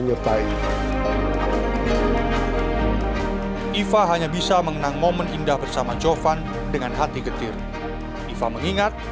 nyertai ifa hanya bisa mengenang momen indah bersama jovan dengan hati getir ifa mengingat